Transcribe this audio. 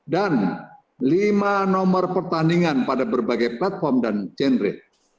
dan lima nomor pertandingan pada berbagai platform dan genre